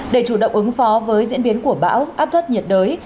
để chủ động ứng phó với diễn biến của bão áp thấp nhiệt đới